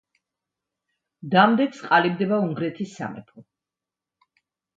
დამდეგს ყალიბდება უნგრეთის სამეფო.